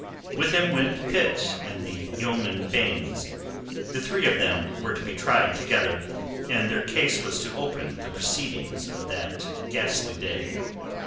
With him went Pitt and the yeoman Baynes. The three of them were to be tried together, and their case was to open the proceedings of that ghastly day.